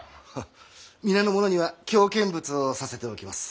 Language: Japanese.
皆の者には京見物をさせておきます。